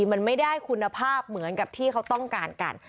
มันไม่ได้คุณภาพเหมือนกับที่เขาต้องการกัน